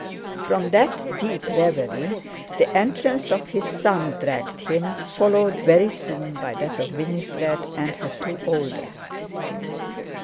From that deep reverie the entrance of his son dragged him, followed very soon by that of Winifred and her two eldest.